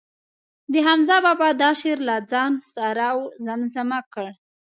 د حمزه بابا دا شعر له ځان سره زمزمه کړ.